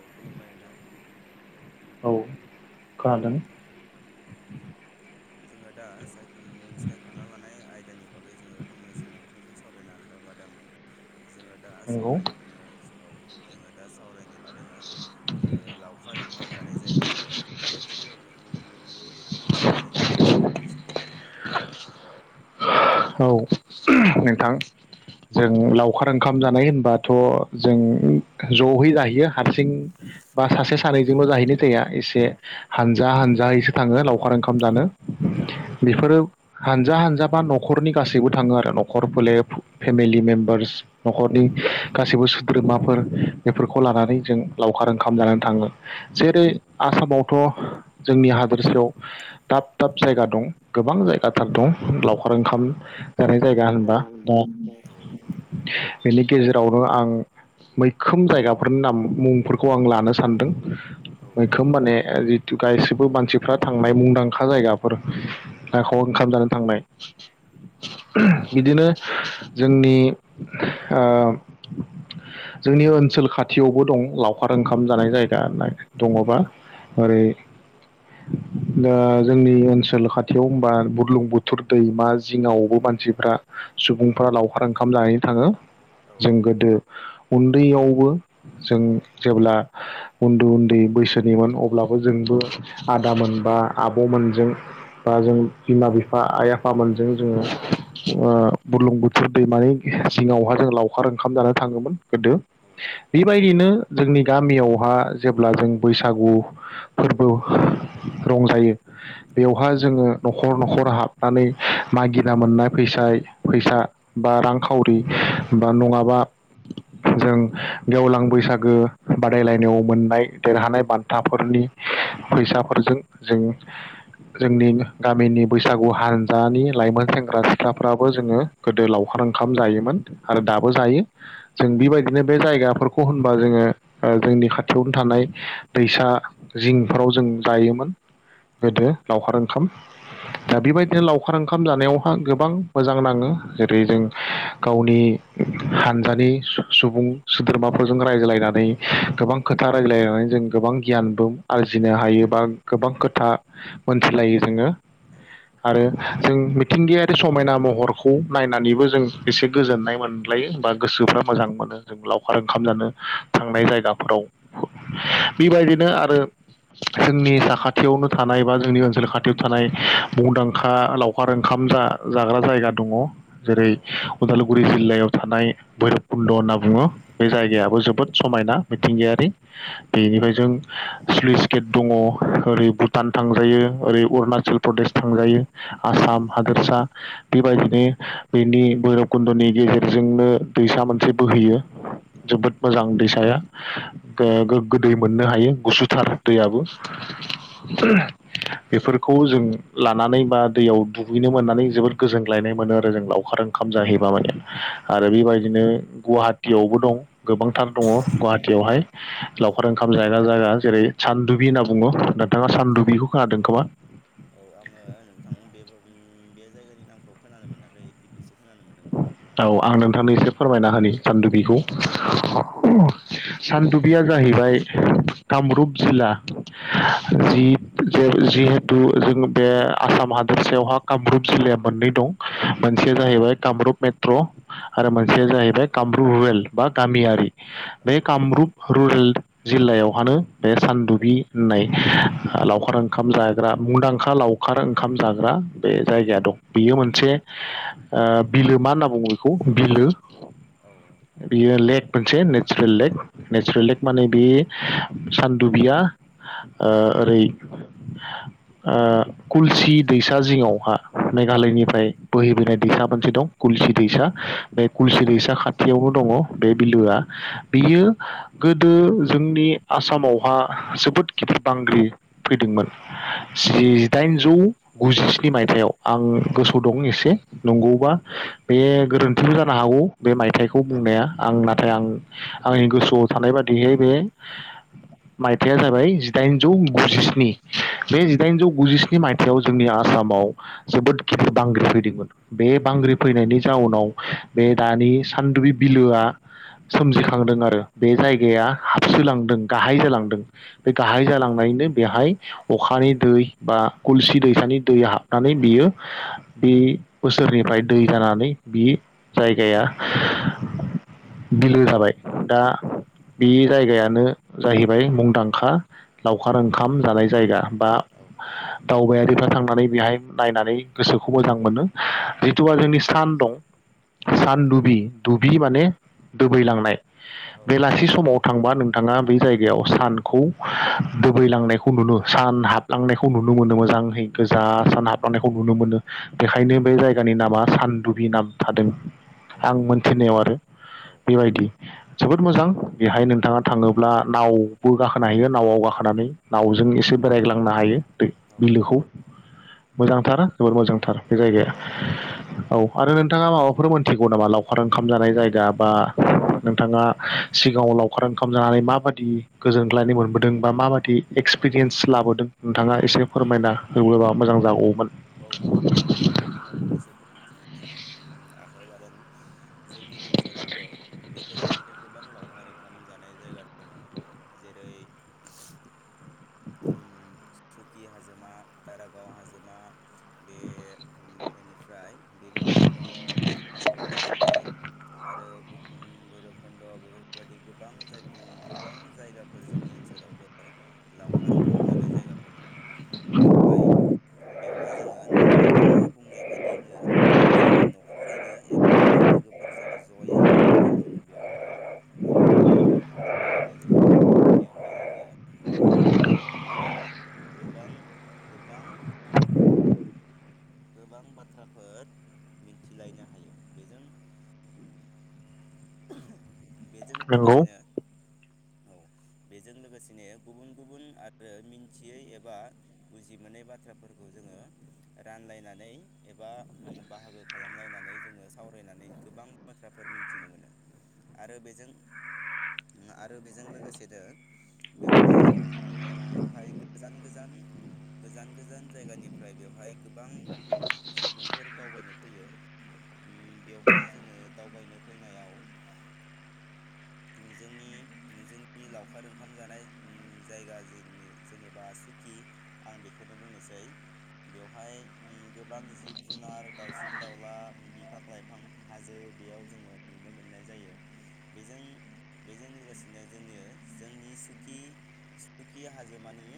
औ खुलुमबाय नोंथां। औ खोनादों औ जोङो दा सायख'न सायख'ना लानाय आयदानि बागै जोङो फंनैसो नोंथांजों सावरायनो आखायाव लादों। जोङो दा नंगौ सावराय औ जोङो दा सावरायनो लादों ओ। ओ लावखार ओंखाम जानाय जायगा बेफोरनि ओ बेफोरनि ओम सोमोन्दै नोंथाङा फंनैसो बुंनो हागोन नामा औ नोंथां जों लावखार ओंखाम जानाय होनबाथ' जों जयै जाहैयो। हारसिं बा सासे सानैजोंबो जाहैनाय जाया एसे हानजा हानजायैसो थाङो लावखार ओंखाम जानो। औ औ बेफोरो हानजा हानजा बा न'खरनि गासैबो थाङो आरो न' न'खर फोलेर फेमिलि मेम्बार्स न'खरनि गासैबो सोद्रोमाफोर बेफोरखौ लानानै जों लावखार ओंखाम जानानै थाङो। औ जेरै नंगौ आसामावथ' जोंनि हादोरसायाव दाब दाब जायगा दं गोबां जायगाथार दं लावखार ओंखाम जानाय जायगा आं जायगा होनबा बेनि गेजेरावनो आं मैखोम जायगाफोरनि नाम मुंफोरखौ आं लानो सानदों। औ मैखोम माने जिथु गााससिबो मानसिफ्रा थांनाय मुंदांखा जायगाफोर आखाव ओंखाम जानो थांनाय औ बिदिनो जोंनि ओ जोंनि ओनसोल खाथियावबो दं। लावखार ओंखाम जानाय जायगा दङबा ओरै दा जोंनि ओनसोल खाथियाव होनबा बुरलुं बुथुर दैमा जिङावबो मानसिफ्रा सुबुंफोरा लावखार ओंखाम जाहैनो थाङो। औ जों गोदो उन्दैयावबो जों जेब्ला उन्दु उन्दै बैसोनिमोन अब्लाबो जोंबो आदामोन बा आब'मोनजों बा जों बिमा बिफा आइ आफामोनजों जोङो ओ बुरलुं बुथोर दैमानि सिङावहा जों लावखार ओंखाम जानो थाङोमोन। गोदो औ बेबायदिनो जोंनि गामियावहा जेब्ला जों बैसागु फोरबो रंजायो औ बेवहा जोङो नख'- नख'र नख'र हाबनानै मागिना मोनना फैसाय फैसा बा रांखावरि बा नङाबा जों गेवलां बैसागो बादायलायनायाव मोननाय देरहानाय बान्थाफोरनि फैसाफोरजों जों जोंनि गामिनि बैसागु हान। जानि लाइमोन सेंग्रा सि फिसाफ्राबो जोङो गोदो लावखार ओंखाम जायोमोन। आरो औ दाबो नंगौ जायो औ जों बेबायदिनो बे जायगाफोरखौ अ' होनबा जोङो ओ जोंनि खाथियावनो थानाय दैसा जिंफोराव जों जायोमोन। औ गोदो लावखार ओंखाम औ दा बेबायदिनो लावखार ओंखाम जानायावहा गो गोबां मोजां नाङो जेरै जों गावनि हान्जानि सुबुं सोद्रोमाफोरजों रायज्लायनानै गोबां औ खोथा औ रायज्लायनानै जों गोबां गियानबो आरजिनो हायो। बा गोबां खोथा मोनथिलायो जोङो आरो जों मिथिंगाया समायना महरख खौ नायनानैबो जों एसे गोजोननाय मोनलायो बा औ गोसोफ्रा मोजां नंगौ मोनो जों लाव लावखार ओंखाम जानो थांनाय जायगाफोराव बेबायदिनो आरो जोंनि साखाथियावनो थानाय बा जोंनि ओनसोल खाथियाव थानाय मुंदांखा लावखार ओंखाम जा जाग्रा जायगा दङ जेरै औ उदालगुरि जिल्लायाव थानाय भैरबकुन्द' होनना बुङो। बे औ जायगायाबो जोबोद समायना औ मिथिंगायारि बेनिफ्राय जों सुइस गेट दङ ओरै भुटान थांजायो ओरै अरुणाचल प्रदेश थांजायो औ आसाम नंगौ औ हादोरसा बेबायदिनो बेनि भैरब खुन्द'नि गेजेरजोंनो दैसा मोनसे बोहैयो जोबोद मोजां दैसाया। गो गोग्गो दै मोननो हायो गुसुथार दैयाबो [unintelligible] बेफोरखौ जों लानानै बा दैयाव दुगैनो मोननानै जोबोद गोजोनग्लायनाय मोनो आरो जों लावखार ओंखाम जाहैबा माने आरो बेबायदिनो गुवाहाटियावबो दं। गोबांथार दङ गुवाहाटियावहाय लावखार ओंखाम जाग्रा जायगा जेरै सान्दुबि होनना बुङो नोंथाङा औ सान्दुबिखौ खोनादों खोमा? औ आङो नोंथां बे उम बे जायगानि नामखौ खोनानो मोनाखै दिपिसो खोनानो मोनदों माने। औ आं नोंथांनो एसे फोरमायना होनि सान्दुबिखौ। औ। सानदुबिया जाहैबाय कामरुप जिल्ला जि जिहेथु जों बे आसाम हादोरसायावहा कामरुप जिल्लाया मोननै दं मोनसेया जाहैबाय कामरुप मे ट्र आरो मोनसे जाहैबाय कामरुप रुरेल बा गामियारि बे कामरुप रुरेल जिल्लायावहानो बे सान्दुबि होननाय लावखार ओंखाम जाग्रा मुंदांखा लावखार ओंखाम जाग्रा बे जायगाया दं बेयो मोनसे ओ बिलोमा होनना बुङो बेखौ बिलो औ बेयो लेक मोनसे नेचुरेल लेक नेचुरेल लेक माने औ बे सान्दुबिया ओ ओरै ओ कुल्सित। दैसा जिङावहा मेघालयनिफ्राय बोहैबोदो। दैसा मोनसे दं कलसि औ दैसा बे खुलसि दैसा खाथियावनो दङ बे बिलोआ। बियो गोदो जोंनि आसामावहा जोबोद गिदिर बांग्रिं फैदोंमोन जिदाइनजौ गुजिस्नि मायथाइयाव आं गोसो दं एसे। नंगौबा बे गोरोन्थिबो जानो हागौ बे मायथाइखौ बुंनाया आं नाथाय आं आंनि गोसोआव थानाय बादिहै बे मायथाइया जाबाय जिदाइनजौ गुजिस्नि बे जिदाइनजौ गुजिस्नि मायथाइयाव जोंनि आसामाव जोबोद गिथिर बांग्रिं फैदोंमोन बे बांग्रिं फैनायनि जाउनाव बे दानि सान्दुबि बिलोआ सोमजिखांदों आरो बे जायगाया हाबसोलांदों गाहाय जालांदों। बे औ गाहाय थारैनो नंगौ जालांबायनो बेहाय अखानि दै बा कुलसि दैसानि दैया हाबनानै बियो बे बोसोरनिफ्राय दै जानानै बे जायगाया बिलो जाबाय दा बे जायगायानो जाहैबाय मुंदांखा लावखार ओंखाम जानाय जायगा बा औ दावबायारिफ्रा थांनानै बेहाय नायनानै गोसोखौ मोजां मोनो जिथुआ जोंनि सान दं। औ सान दुबि दुबि माने दोबैलांनाय। औ बेलासि समाव थांबा नों थाङा बे जायगायाव सानखौ दुबैलांनायखौ नुनो सान हाबलांनायखौ नुनो मोनो मोजांहै गोजा सान हाबलांनायखौ नुनो मोनो। औ बेखायनो बे जायगानि नामा सान्दुबि‌ नाम। औ थादों औ आं मोनथिनायाव आरो बेबायदि जोबोद मोजां बेहाय नोंथाङा थाङोब्ला नावबो गाखोनो हायो नावआव गाखोनानै नावजों एसे बेरायग्लांनो हायो। बिलोखौ। मोजांथार जोबोद मोजांथार बे जायगाया औ आरो नोंथाङा माबाफोर मोनथिगौ नामा लावखार ओंखाम जानाय जायगा बा नोंथाङा सिगाङाव लावखार ओंखाम जानानै माबादि गोजोनग्लायनाय मोनबोदों बा माबादि औ एक्सपिरियेन्स लाबोदों नोंथाङा एसे फोरमायना होबोबा मोजां जागौमोन। औ नंगौ आंबो नोंथांनो फंनैसो फोरमायथिनो आखाइायाव लादों जोंनि ओनसोलावबो बेफोरबादिनो गोबां लावखार ओंखाम जानाय जायगा दङ जेरै उम सुकि हाजोमा दारागाव हाजोमा बे उम एनि फ्राय बेनि उनाव दङ बगामाथि आरो बैरब खन्द बेफोरबायदि गोबां गोबां जायगाफोर जोंनि ओनसोलावबो लावखार ओंखाम जानाय जायगाफोर दङ बेवहाय बेवहाय जोङो नोंथाङा बुंनाय बायदियैनो जोङो न'खरैनो एबा लोगोफोरजों जयै थांनानै जोङो बेवहाय जोङो लावखार ओंखाम जाहैनाय जायो बेवहाय जोङो ज' ज'यै थांनानै गोबां गोबां गोबां बाथ्राफोर मिथिलायनो हायो बेजों बेजों नंगौ लोगोसेनो औ बेजों लोगोसेनो गुबुन गुबुन आरो मिन्थियै एबा बुजि मोनै बाथ्राफोरखौ जोङो रानलायनानै एबा बाहागो खालामलायनानै जोङो सावरायनानै गोबां बाथ्राफोर मिथिनो मोनो आरो बेजों आरो बेजों लोगोसेनो बेवहाय बेवहाय गोजान गोजान गोजान गोजान जायगानिफ्राय बेवहाय गोबां सुबुंफोर दावबायनो फैयो ओम बेवहाय जोङो दावबायनो फैनायाव जोंनि जोंनि लावखार ओंखाम जानाय उम जायगा जे जेनेबा सुकि आं बेखौनो बुंनोसै बेवहाय बेवहाय गोबां जिब जुनार दाउसिन दाउला बिफां लाइफां हाजो बेयाव जोङो नुनो मोननाय जायो बेजों बेजों लोगोसेनो जोङो जोंनि सुकि सुकि हाजो मानि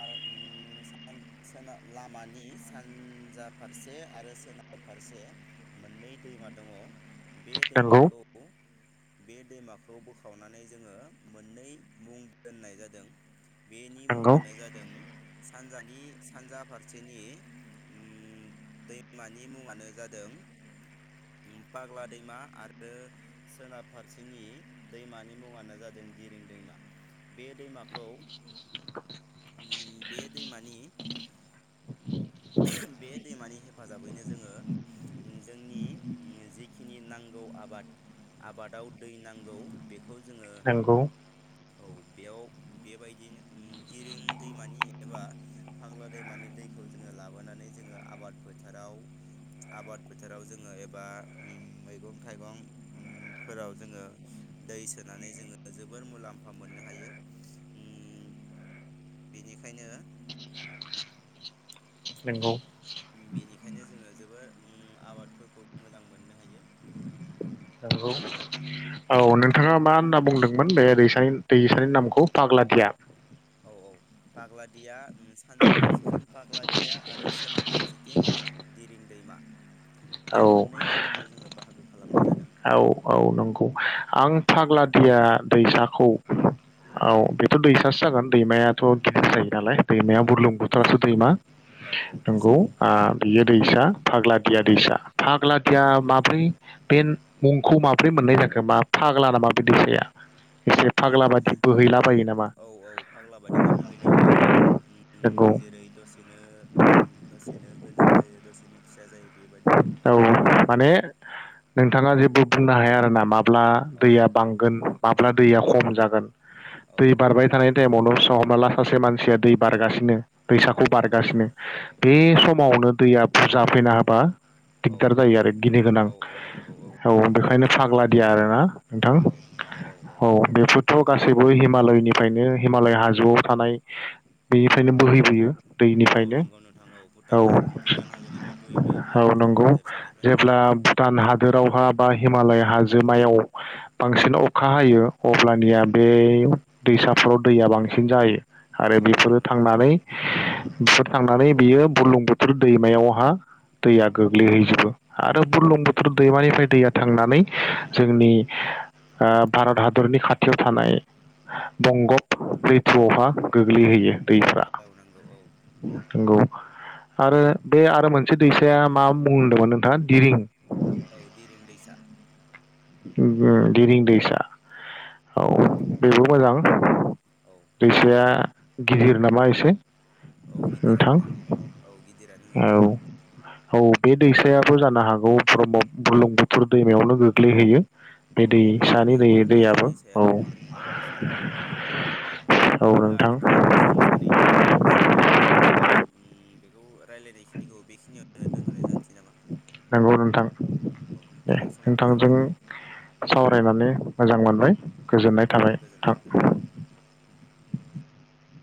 [unintelligible] मानि सानजा फारसे आरो सोनाब फारसे मोननै दैमा दङ। बे नंगौ दैमाखौ बे दैमाखौ बोखावनानै जोङो मोननै मुं दोननाय जादों बेनि नंगौ मुङानो जादों सानजानि सानजा फारसे फारसेनि दैमानि मुङानो जादों फाग्ला दैमा आरो सोनाब फारसेनि दैमानि मुङानो जादों दिरिं दैमा बे दैमाखौ उम बे दैमानि बे दैमानि हेफाजाबैनो जोङो जोंनि जिखिनि नांगौ आबाद आबादाव दै नांगौ बेखौ बेखौ जोङो नंगौ औ बेयाव बेबायदिनो दिरिं दैमानि एबा फाग्ला दैमानि दै दैखौ जोङो लाबोनानै जोङो आबाद फोथाराव आबाद फोथाराव जोङो एबा ओम मैगं थाइगं उम फोराव जोङो दै सोनानै जोङो जोबोर मुलाम्फा मोननो हायो उम बेनिखायनो नोंगौ। बिनि खायनो जोङो जोबोर उम आबादफोरखौ मोजां मोननो हायो। नंगौ औ नोंथाङा मा होनना बुंदोंमोन बे दैसानि दैसानि नामखौ पाग्लादिया। औ औ फाग्लादिया सानजा फारसेथिं पाग्लादिया आरो सोनाब फारसेथिं दिरिं दैमा बे औ मोननै दैमाखौ जोङो बाहागो खालामनाय जादों। औ औ नंगौ आं फाग्लादिया दैसाखौ औ बेथ' दैसासो जागोन दैमायाथ' गिदिर जायो नालाय। दैमाया औ बुरलुं औ दैसा बोथोरासो दैमा औ औ नंगौ दैसा बियो दैसा। फाग्लादिया दैसा औ फाग्लाथिया माब्रै बे मुंखौ माब्रै मोननाय जाखो मा फाग्ला नामा बे दैसाया। एसे मा फाग्ला होनदों बादि बोहैलाबायो नामा औ औ फाग्ला बादिनो बोहैलाबायो ओम ओम नंगौ जेरै दसेनो दसेनो गोदोर जायो दसेनो फिसा जायो। बेबायदिनो औ गोबां माने नोंथाङा जे बुंनो हाया आरोना माब्ला औ दैया बांगोन माब्ला दैया खम जागोन औ दै बारबाय थानाय टाइमावनो स हमना ला सासे मानसिया दै बारगासिनो औ दैसाग्खौ बारगासिनो बे सम समावनो दैया बुजा फैना होबा औ दिगदार जायो आरो गिनो गोनां औ औ नंगौ बेयो औ थारैनो बेखायनो सैथो फाग्ला नोंथां दिया औ आरोना औ नोंथां औ बेफोरथ' गासैबो हिमालयनि ओमफ्रायनो हिमालय हाजोआव थानाय बेनिफ्रायनो बोहैबोयो औ दैनिफ्रायनो नोंगौ नोंथां औ भुटान औ भुटान हाजोनिफ्राय बोहैबोयो औ बेयो। भुटान नंगौ हादोरसानिफ्राय जेब्ला भुटान हादोराव हा बा हिमालय हाजोमायाव बांसिन अखा हायो। औ अब्लानिया बे दैसा बिफोराव दैया बांसिन जायो। औ आरो नंगौ बेफोरो नोंथां औ थांनानै बेफोर थांनानै बियो बुरलुंबुथोर दैमायाव हा दैया गोग्लैजोबो। औ आरो नंगौ बुरलुं थारैनो बोथोर नंगौ औ दैमानिफ्राय दैया थांनानै जोंनि ओ भारत हादरनि खाथियाव थानाय बंगभ लैथोआवहा गोग्लैहैयो। दैफ्रा औ नंगौ औ नोंगौ आरो बे आरो मोनसे बे दैसाया मा मुं होनदोंमोन नोंथाङा दिरिं औ दिरं दैसा दिरिं दैसा औ बेबो मोजां। औ दैसाया गिदिर नामा एसे? औ नोंथां गिदिरानो औ गिदिरानो औ नोंथां औ बे दैसायाबो जानो हागौ ब्रह्म बुरलुं बुथुर दैमायावनो गोग्लैहैयो। औ बे औ नोंथां बे दैसानि दै बेयो दैयाबो औ दैसायाबो बुलुं बोथोर दैसायावनो गोग्लैहयो। बिदिब्ला नोंथां जों सानैनि सम एबा बेखौ रायलायनाय खिनिखौ बेखिनियावनो दोन्थ'नाय जानोसै नामा नंगौ नोंथां औ दे जोंना समाबो नोंथांजों जाबाय। सावरायनानै मोजां मोनबाय गोजोननाय औ थाबाय गोजोन्थों औ नोंथां।